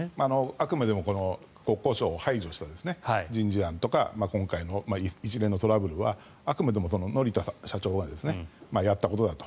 あくまでも国交省を排除した人事案とか今回の一連のトラブルはあくまでも乗田社長がやったことだと。